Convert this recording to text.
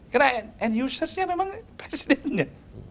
karena end users nya memang presidennya